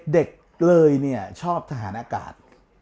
เด็กเลยเนี่ยชอบทหารอากาศ